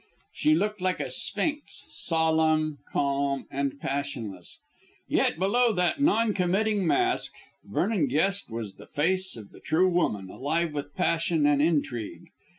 She looked like a sphinx, solemn, calm, and passionless. Yet below that non committing mask Vernon guessed was the face of the true woman, alive with passion and intrigue.